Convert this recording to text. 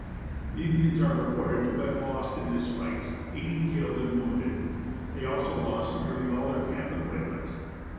The Indians are reported to have lost in this fight, eighty killed and wounded. They also lost nearly all their camp equipment.